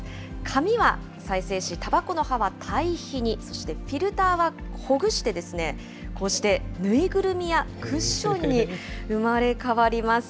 紙は再生紙、たばこの葉は堆肥に、そしてフィルターはほぐして、こうして、縫いぐるみやクッションに生まれ変わります。